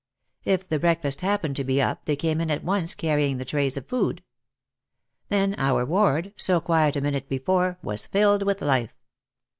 If the break fast happened to be up they came in at once carrying the trays of food. Then our ward, so quiet a minute be fore, was filled with life.